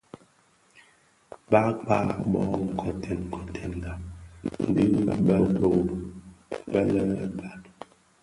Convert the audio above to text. Bakpag bō kotèn kotènga dhi bë dho bë lè baloum,